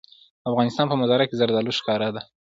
د افغانستان په منظره کې زردالو ښکاره ده.